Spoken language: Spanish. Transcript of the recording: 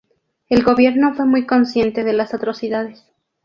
El Gobierno fue muy consciente de las atrocidades.